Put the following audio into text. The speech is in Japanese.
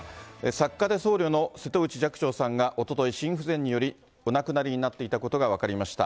作家で僧侶の瀬戸内寂聴さんが、おととい、心不全によりお亡くなりになっていたことが分かりました。